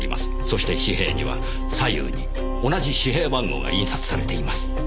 そして紙幣には左右に同じ紙幣番号が印刷されています。